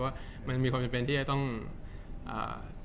จากความไม่เข้าจันทร์ของผู้ใหญ่ของพ่อกับแม่